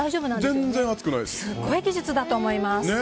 すごい技術だと思います。